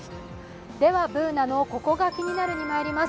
Ｂｏｏｎａの「ココがキニナル」にまいります。